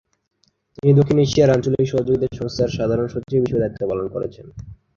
তিনি দক্ষিণ এশিয়া আঞ্চলিক সহযোগিতা সংস্থার সাধারণ সচিব হিসেবে দায়িত্ব পালন করেছেন।